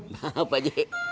maaf pak j